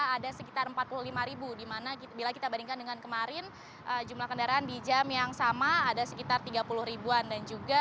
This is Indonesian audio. ada sekitar empat puluh lima ribu dimana bila kita bandingkan dengan kemarin jumlah kendaraan di jam yang sama ada sekitar tiga puluh ribuan